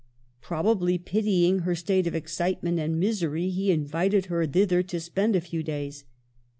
Probably pitying her state of excitement and misery, he invited her thither to spend a few days.